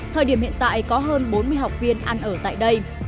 thời điểm hiện tại có hơn bốn mươi học viên ăn ở tại đây